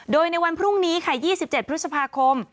โดยในวันพรุ่งนี้ค่ะ๒๗พฤษภาคม